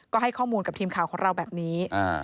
ก็ให้ข้อมูลกับทีมข่าวของเราแบบนี้